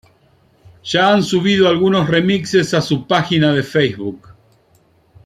Ya han subido algunos remixes a su página de Facebook.